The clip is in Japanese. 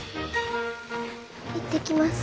行ってきます。